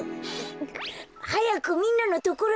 はやくみんなのところへいって！